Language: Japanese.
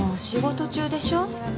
仕事中でしょ